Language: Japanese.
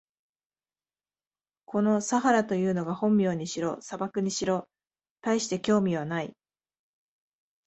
このサハラというのが本名にしろ、砂漠にしろ、たいして興味はない。